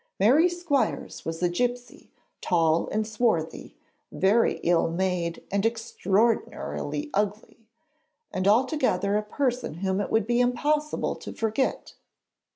Mary Squires was a gipsy, tall and swarthy, very ill made and extraordinarily ugly, and altogether a person whom it would be impossible to forget.